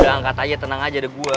angkat aja tenang aja deh gue